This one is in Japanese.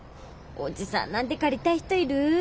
おじさんなんて借りたい人いる？